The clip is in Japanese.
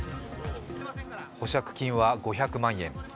保釈金は５００万円。